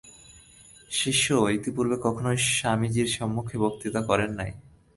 শিষ্য ইতঃপূর্বে কখনও স্বামীজীর সমক্ষে বক্তৃতা করে নাই।